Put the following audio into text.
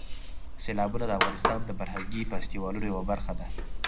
سیلابونه د افغانستان د فرهنګي فستیوالونو یوه برخه ده.